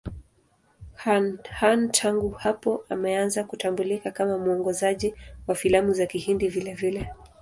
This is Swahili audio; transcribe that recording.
Khan tangu hapo ameanza kutambulika kama mwongozaji wa filamu za Kihindi vilevile.